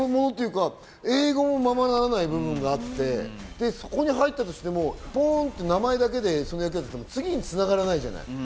英語もままならない部分があってそこに入っても名前だけでやっても次に繋がらないじゃない。